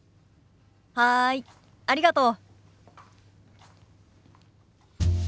はいありがとう。